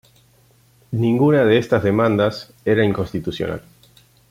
Ninguna de estas demandas era inconstitucional.